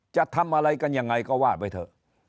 จะทำอะไรกันยังไงก็ว่าไปเถอะ